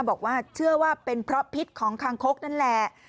บอกว่าเชื่อว่าเป็นเพราะพิษของคางคกนั่นแหละ